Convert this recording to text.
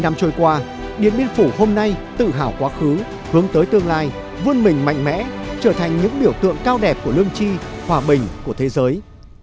bảy mươi năm trôi qua điện biên phủ hôm nay tự hào quá khứ hướng tới tương lai vươn mình mạnh mẽ trở thành những biểu tượng cao đẹp của lương chi hòa bình của thế giới